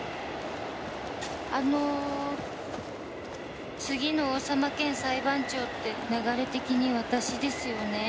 あの次の王様兼裁判長って流れ的に私ですよね？